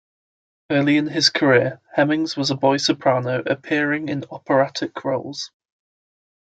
Early in his career, Hemmings was a boy soprano appearing in operatic roles.